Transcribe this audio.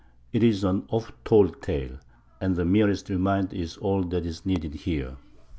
It is an "oft told tale," and the merest reminder is all that is needed here.